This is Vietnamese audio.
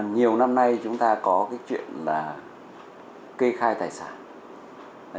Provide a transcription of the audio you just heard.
nhiều năm nay chúng ta có cái chuyện là kê khai tài sản